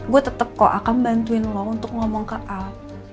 gue tetap kok akan bantuin lo untuk ngomong ke aku